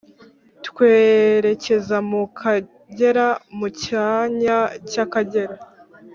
twerekeza mu Kagera. Mu cyanya cy’Akagera,